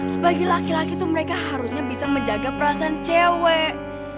sebagai laki laki itu mereka harusnya bisa menjaga perasaan cewek